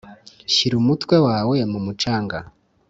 shyira umutwe wawe mu mucanga